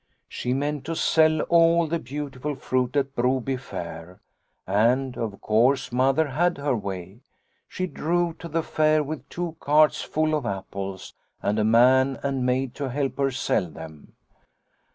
She meant to sell all the beautiful fruit at Broby fair. And, of course, Mother had her way. She drove to the fair with two carts full of apples, and a man and maid to help her sell them.